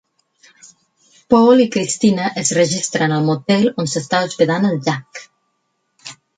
Paul i Cristina es registren al motel on s'està hospedant el Jack.